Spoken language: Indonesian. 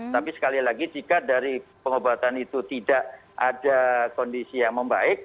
tapi sekali lagi jika dari pengobatan itu tidak ada kondisi yang membaik